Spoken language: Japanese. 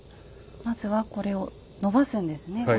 まずはこれをのばすんですね